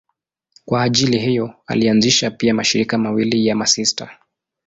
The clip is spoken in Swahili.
Kwa ajili hiyo alianzisha pia mashirika mawili ya masista.